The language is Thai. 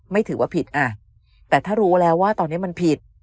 ไม่ถือว่าผิดอ่ะแต่ถ้ารู้แล้วว่าตอนนี้มันผิด